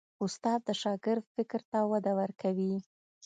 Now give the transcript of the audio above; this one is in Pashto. استاد د شاګرد فکر ته وده ورکوي.